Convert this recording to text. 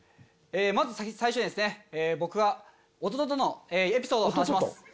まず最初に僕がおとととのエピソードを話します。